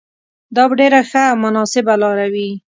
دا به ډېره ښه او مناسبه لاره وي.